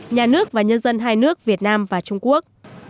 nhà nước và nhân dân hai nước việt nam và trung quốc